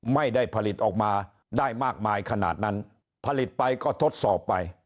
ไม่ได้ผลิตออกมาได้มากมายขนาดนั้นผลิตไปก็ทดสอบไป